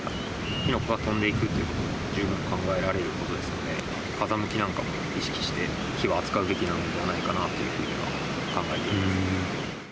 火の粉が飛んでいくということも十分考えられることですので、風向きなんかも意識して、火は扱うべきなのではないかなと考えています。